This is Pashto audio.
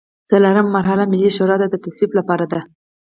څلورمه مرحله ملي شورا ته د تصویب لپاره ده.